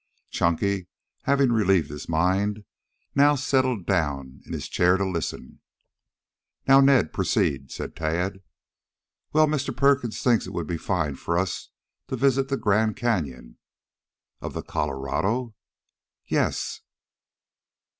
Chunky, having relieved his mind, now settled down in his chair to listen. "Now, Ned, proceed," said Tad. "Well, Mr. Perkins thinks it would be fine for us to visit the Grand Canyon." "Of the Colorado?" "Yes."